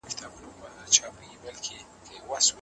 څه افسون دی پر لوېدلی آیینه هغسي نه ده